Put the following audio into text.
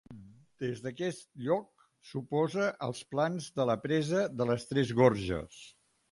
Des d'aquest lloc s'oposà als plans de la Presa de les Tres Gorges.